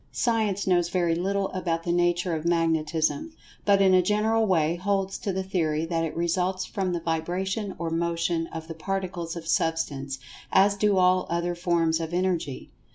Science knows very little about the nature of Magnetism, but in a general way holds to the theory that it results from the vibration or motion of the Particles of Substance, as do all other forms of Energy.